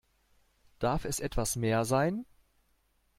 Darf es etwas mehr sein?